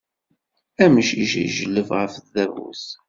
Amcic iǧelleb ɣef tdabut.